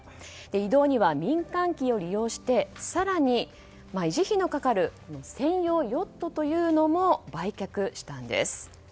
移動には民間機を利用して更に維持費のかかる専用ヨットというのも売却したんです。